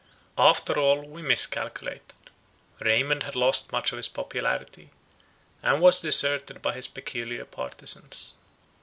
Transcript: After all we miscalculated. Raymond had lost much of his popularity, and was deserted by his peculiar partizans.